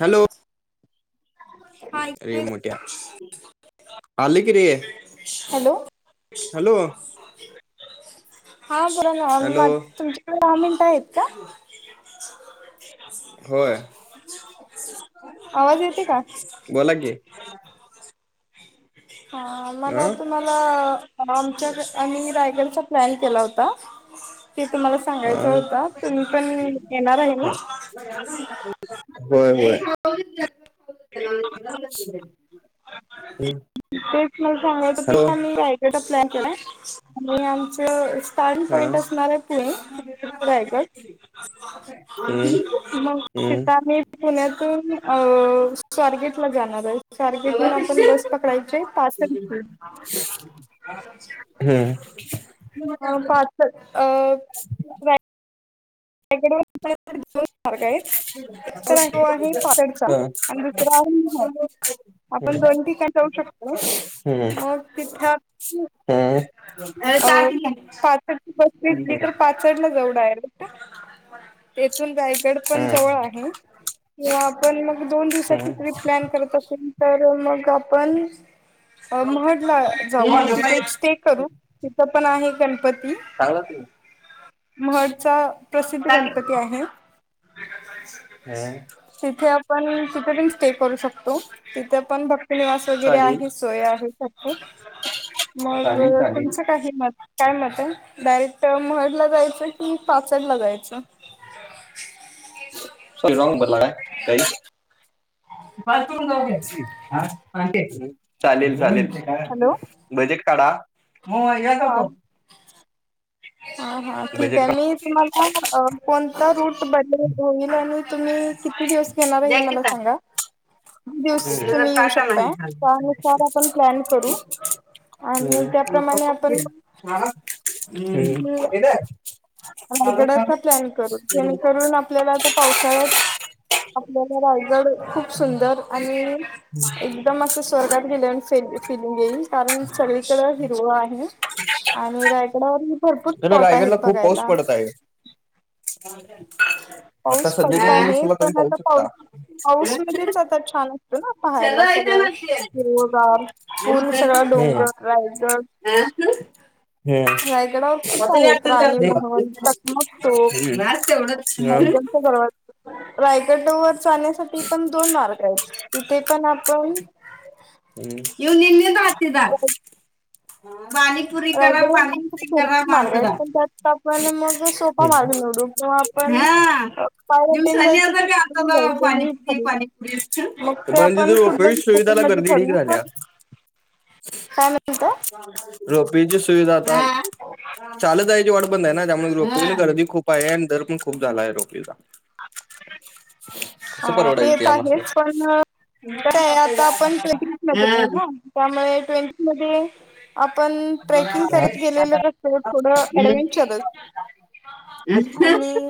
Hello हा अरे मोठ्या [unintelligible] आले की रे [unintelligible] हॅलो हॅलो [unintelligible] हा बोला हॅलो ना [unintelligible] तुमच्याकडे दहा मीनटं आहेत का? होय [unintelligible] आवाज येते का? बोला की. हा अ मला तुम्हाला अं आमच्या आम्ही रायगडच्या प्लॅन केला होता. ते तुम्हाला अ सांगायचं होत, तुम्ही पण येणार आहे अ ना? [unintelligible] [inaudible] हम्म तेच मला सांगायचं हॅलो [unintelligible] प्लॅन आणि आमचं स्टारींन हा पॉइंट असणार आहे पुणे, रायगड हम्म मग हम्म सीता मी पुण्यात आवो स्वारगेट ला जाणार आहे. स्वारगेटहुन आपण बस हम्म पकडायची पार्सल घेऊन. हम्म. हो पार्सल अ [unintelligible] [unintelligible] मार्ग आहेत. एकतर [unintelligible] आहे पाचडचा आणि दुसरा आहे [unintelligible] आपण दोन ठिकाण जाऊ. [unintelligible] मग तिथं [unintelligible] अ पाचडची बस भेटली तर पाचड ला जाऊ. डायरेक्ट तेथून रायगड पण जवळ आहे. किंवा आपण मग दोन हम्म हम्म दिवसाची हम्म हम्म हम्म. ट्रिप प्लॅन करत असेल तर मग आपण महड ला जाऊ. तिथे चांगला स्टे करू तिथं पण आहे गणपती - सांगाल ते. चा प्रसिद्ध गणपती आहे. हम्म तिथे आपण [unintelligible] ते करू शकतो. तिथे पण भक्तनिवास वगैरे चालेल आहे. सोय आहे [unintelligible] मग चालेल तुमचं चालेल काही हे मत काय मत आहे? डायरेक्ट महड ला जायचंय? की पाचडला जायचं? सॉरी राॅंग भरला का काही? [unintelligible] चालेल चालेल हॅलो बजेट काढा, मग या जातो. हा-हा ठीक बजेट आहे मी तुम्हाला अ कोणता रूट बदल होईल आणि तुम्ही किती दिवस घेणार द्या हे की मला ताट सांगा? दिवस तिथलं जर तुम्ही येऊ ताटा नाही शकताय, त्यानुसार आपण प्लॅन करू. आणि त्याप्रमाणे आपण हं-हं [unintelligible] रायगडाचा प्लॅन करू जेणेकरून आपल्याला आता पावसाळ्यात आपल्याला राय गड खूप सुंदर आणि एकदम असं स्वर्गात गेल्याच फील- फिलिंग येईल. कारण सगळीकडे हिरवळ आहे आणि रायगडावरती- गड्या रायगड ला खूप पाऊस पडत आहे. [unintelligible] आता पाऊस पडत सध्याच्या आहे. दिवसाला तुम्ही पण पाहू आता शकता पाऊस, पाऊस मधेच आता छान असतो ना? पाहायला चलो येते सगळं. ना ते. शिरोगाम पूर्ण सगळा हम्म डोंगर रायगड हं? बस रायगडावर खूप आहेत. राणी महल, टकमक चौक तेवढंच [unintelligible] रायगड वर जाण्यासाठी पण दोन मार्ग आहेत. तिथे पण आपण येऊन निंदीत राहते दा पाणीपुरी करा, रायगडवर पाणीपुरी जाण्यासाठी करा भरपूर मार्ग मारतजा. आहेत पण त्यात आपण मग सोपा मार्ग निवडू किंवा आपण हा पाय निम वाटेन सनी जायचं अस की काे आत पायी जायचं हे पानीपुडी ठरवू पानीपुडी अष्ट मग ते म्हणजे आपण जर पुढल्या उपयोग डिस्कशन सुविधाला मध्ये गर्दी पिडीक ठरवू पण झाल्या. काय म्हणता रोप वे ची सुविधा आता चालत आहेची वाट बंद आहे ना. त्यामुळे रोप वे ला गर्दी खूप आहे आणि दर पण खूप झाला आहे रोप वे चा. [inaudible] हा. ते येत आहेच पण, आता आपण ट्वेंटी म हा. ना त्यामुळे ट्वेंटी मध्ये आपण ट्रेकिंग करत गेलेल कस थोडं हम्म. ऍडव्हेंचरच आणि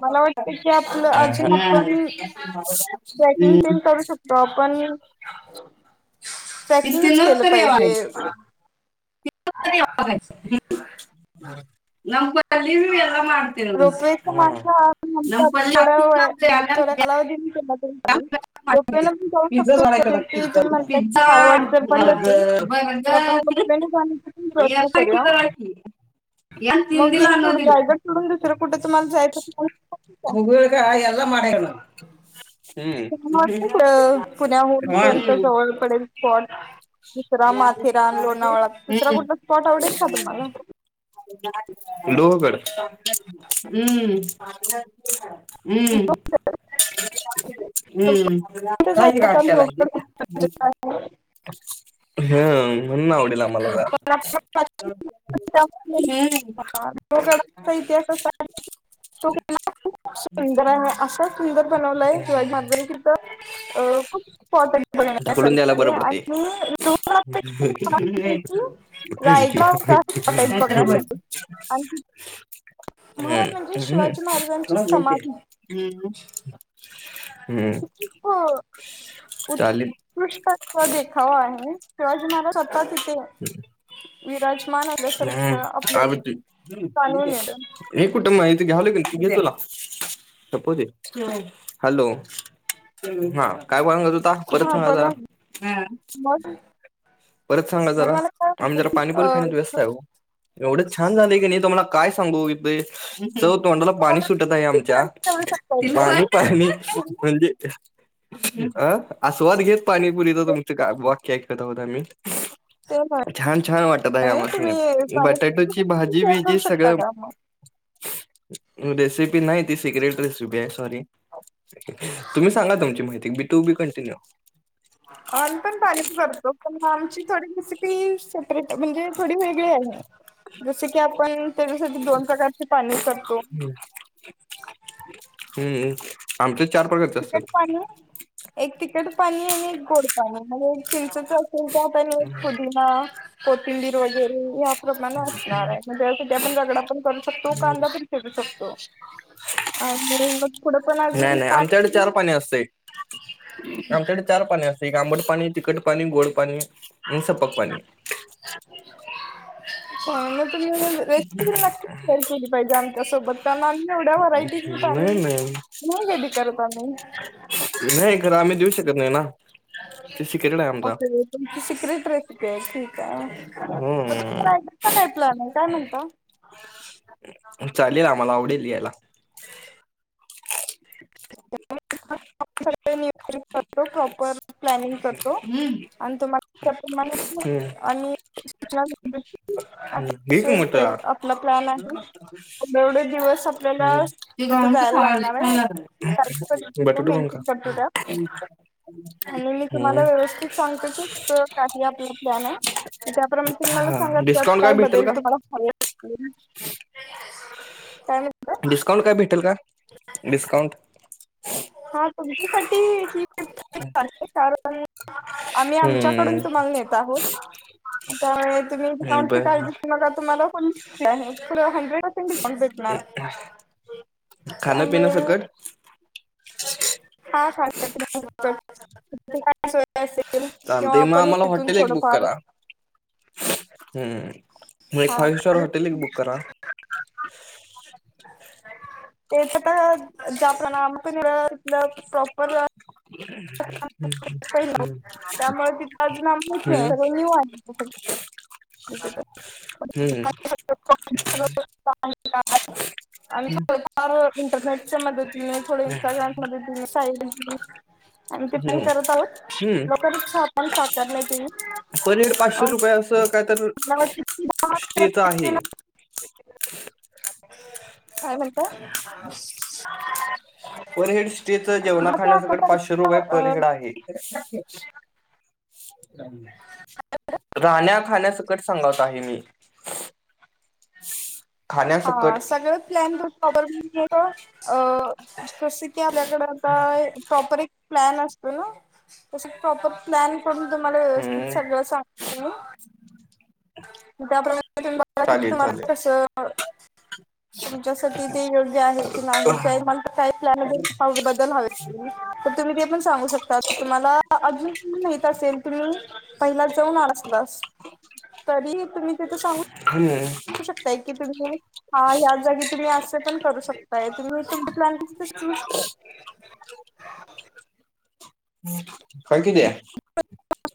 मला वाटत की आपलं अजून आपण ट्रेकिंग पण करू शकतो आपण. ट्रॅकिंगच केलं पाहिजे [unintelligible] [unintelligible] रोपवेचा मार्ग हा म्हणतात थोड्या वेळ थोड्या कालावधीने केला तरी चालेल रोपवेन [unintelligible] पण जाऊ पिझ्झा शकतो झाय का जसे की पिझ्झा तुम्ही म्हणताय की पिझ्झा पायवाट जर बंद मग असेल तर आपण बर्गर रोपवेने जाण्याचा पण हे प्रयत्न असशा कि करूया ज की मग हे सोडलंर सोडून दुसरं कुठे तुम्हाला जाय प का? वाटत पुण्याहून कोणंत जवळ पडेल? स्पॉट दुसरा माथेरान लोणावळा हम्म. दुसरा कुठला स्पॉट आवडेल का तुम्हाला? लोहगड हम्म. हम्म हम्म. चला. ह म्हणण आवडेल आम्हाला जरा इतिहास तोला खूप सुंदर आहे असं सुंदर बनवलंय शिवा मारजण कि तर अ खूप इम्पॉर्टंट ढकलून द्यायला बनण्यासारखे बरं पडते आणि पैकी रायगाव जास्त [unintelligible] महाराजांची शिवाजी महाराजांची समाधी हम् हम्म. चालेल उत्कृष्टचा देखावा आहे तर तुम्हाला स्वतः तिथे विराजमान हम्म झाल्यासारखं आपल्याला आवडते हम्म जाणून निलेश. येतं. हे कुटुं इथे घ्याव लागेल तुला हॅलो. हा काय ब म्हणत होता परत हा सांगा जरा. बोला ना मग परत सांगा मग जरा मला काय आम्ही म्हणते जरा की अ पाणीपुरी खाण्यात व्यस्त आहे ओ एवढं छान झाले की नाही तुम्हाला काय सांगू इथे तर तोंडाला पाणी तुम्हाला सुटत आहे किती आमच्या शेअर करू शकता का पाणी पाणी म्हणजे अं आस्वाद घेत पाणीपुरीच ते तुमच का वाक्य ऐकत आहोत आम्ही. ते छान छान वाटत आहे नाही तुम्ही आम्हांसनी पाणीपुरी बटाटेची रेसिपी भाजी शेअर करू बिजी शकता सगळं का मग? रेसिपी नाही ती सिक्रेट रेसिपी आहे सॉरी. तुम्ही सांगा तुमची माहिती बी टू बी कंटिन्यू. आम् पण पाणी करतो पण आमची थोडी रेसिपी. म्हणजे थोडी वेगळी आहे जस की आपण त्याच्यासाठी दोन प्रकारचे पाणी करतो. हम्म आमचे चार प्रकारचे तिखट असतात. पाणी एक तिखट पाणी आणि एक गोड पाणी म्हणजे एक चिंचच असेल तर आप एक पुदिना कोथिंबीर वगैरे ह्या प्रमाणे असणार आहे म्हणजेसाठी आपण रगडा पण करू शकतो कांदा पण फेरू शकतो. आणि मग पुढं पण अजून नाही नाही पा आमच्याकडे चार पाणी असते आमच्याकडे चार पाणी असते एक आंबड पाणी तिखट पाणी गोड पाणी आणि सपक पाणी काांग तुम्ही रेसिपीरी नक्कीच शर केली पाहिजे आमच्यासोबत त्यांना आम्ही एवढ्या व्हरायटीजत आ नाही कदी करत आम्ही नाही घर आम्ही देऊ शकत नाही ना ते शिक ओके तुमची सिक्रेट रेसिपी आहे ठीक आहे म तय हम्म का प्ला काय म्हणत. चालेल आम्हाला आवडेल यायला. [unintelligible] करतो प्रॉपर प्लॅनिंग करतो. हम्म आणि तुमला त्याप्रमाणे आ्म्ही सूचना देतो हम्म घे की मोठा [unintelligible] आपला प्लॅन आहे जेवढे दिवस आपल्याला हम्म ते तिथे, गाऊन तर जायला खावाले लागणार छान हाय काई पण लागले करतो त्यात बटाटो पण का मेन्शन करतो त्यात आणि मी तुम्हाला हम्म व्यवस्थित सांगतो, की कस काय आपला प्लॅन हाय त्याप्रमाणे तूम्हाला हा सांगात चल डिस्काउंट काय भेटेल बदल का तुम्हाला हवे आहेत. चालेल का? डिस्काउंट काय भेटेल का? डिस्काउंट हा तुमच्यासाठी ही कारण आम्ही आमच्याकडून हम्म तुम्हाला नेत आहोत. आता तुम्ही डिस्काउंट ची बर काळजी करू नका तुम्हाला तुला हंड्रेड पर्सेंट डीस्काउंट भेटणार. खाणं पिणं त्यामुळे सकट हा खाण्या पिण्या सकट [unintelligible] असेल किंवा चालतंय मग आपण आम्हाला इथून हॉटेल एक थोडंफार हम् म हा फाइव्ह स्टार हॉटेल एक बुक करा नाही बा ते तर ज्या पणा आपण प इथलं प्रॉपर [unintelligible] पहिला हम्म त्यामुळे तिथ, अजून आमची माहिती नाही हम्म सगळ न्यू हाय ह [inaudible] [unintelligible] हम्म [unintelligible] आणि् हम्म थोडंफार इंटरनेटच्या मदतीने थोड इंस्टाग्राम मदतिने साईड इन्कम आमी ते पण हम्म करत आहोत हम्म. लोकांवर छाप पण साकारलंय तेनी पनीर पाचशे रुपये असं मला वाटतं कायतरी अस आहे? काय म्हणता? पर हेड स्टेच जेवणा दहा ते खाण्या सकट अकरा पाचशे रुपये पर तारखेला हेड आहे. राहण्या खाण्यासकट सांगत आहे मी हा खाण्यासकट सगळ प्लॅन बघून आपण बेसिक ते आपल्याकडे आता प्रॉपर एक प्लॅन असतो ना तस प्रॉपर प्लॅन पडून तुम्हाला व्यवस्थित हम्म सगळं सांगते मी त्या प्रमाण बघा की चालेल तुम्हाला चालेल पण कसं तुमच्यासाठी ते योग्य आहे की नाही काय मला काही प्लॅनमध्ये बदल हवेत. तुम्ही ते पण सांगू शकता, तुम्हाला अजून माहित असेल तुम्ही पहिलाच जावून आला असलास तरी तुम्ही तिथे सांगून हम. कि तुम्ही हा ह्या जागी तुम्ही अस पण करू शकताय, तुम्ही तुमचा प्लॅन कस तसं चूज करू [unintelligible] हाय केलिया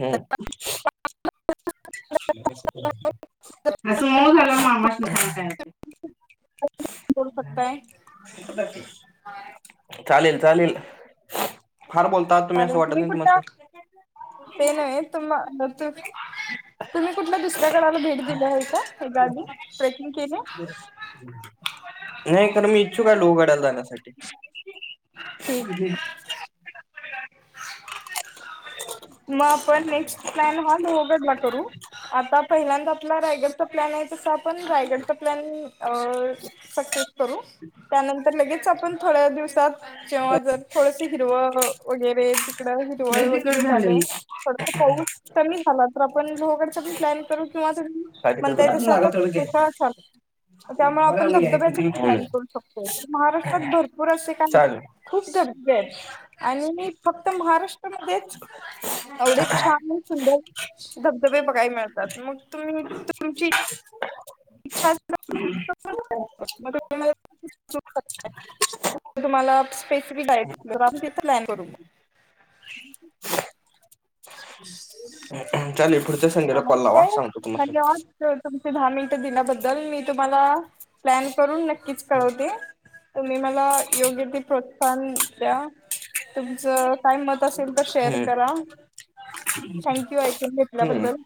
हुं. असं मऊ झाल्यावर मामासनी खायला काय हुतंय? कोड पता य चालेल चालेल. फार बोलता तुम्ही असं चालेल वाटत नाही कुठला तुम्हासनी ते नायी तुमा आ तू तुम्ही कुठल्या दुसऱ्या गडाला भेट दिली आहे का? हेज्या आदी ट्रेकिंग केलेय? [inaudible] नाही खरं मी इच्छुक आहे लोहगडाला जाण्यासाठी ठीक [unintelligible] मग आपण नेक्स्ट प्लॅन हा लोहगडला करू. आता पहिल्यांदा आपला रायगडचा प्लॅन आहे, तसा आपण रायगडचा प्लॅन अ सक्सेस करू त्यानंतर लगेच आपण थोड्या दिवसात जेव्हा जर थोडस हिरवं वगैरे लय हिरवळ वगैरे तिखट झालंय. झालं थोडस पाऊस कमी झाला तर आपण लोहगडचा पण प्लॅन करू. किंवा तु काय तिखट झालंय? म्हणतायसं आता लागल तेवढं पावसाळा चालू त्यामुळे आपण धबधब्याचा पण प्लॅन घ्यायचं. करू शकतोय, महाराष्ट्रात भरपूर असे काही चालेल खूप धबधबे आहेत आणि फक्त महाराष्ट्रामध्येच. एवढे छान सुंदर धबधबे बघाय मिळतात मग तुम्ही तुमची इच्छा असल्यावर [unintelligible] तुम्हांला स्पेसिफिक जायचं तर आम्ही तिथं प्लॅन करू. [unintelligible] [inaudible] चालेल पुढच्या संडेला आणि कॉल लावा काय सांगतो तुम्हाला [unintelligible] तुम्ही दहा मिनिटं दिल्याबद्दल मी तुम्हाला प्लॅन करून नक्कीच कळवते. तुम्ही मला योग्य ते प्रोत्साहन द्या. तुमचं काय मत असेल तर शेअर हम्म करा, थँक्यू ऐकून घेतल्याबद्दल.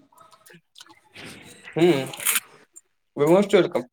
हम, मोस्ट वेलकम.